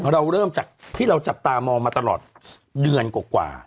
เราเริ่มจากที่เราจับตามองมาตลอดเดือนกว่า